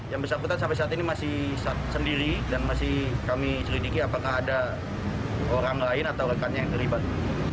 yang bersangkutan sampai saat ini masih sendiri dan masih kami selidiki apakah ada orang lain atau rekannya yang terlibat